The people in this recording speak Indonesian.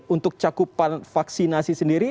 untuk cakupan vaksinasi sendiri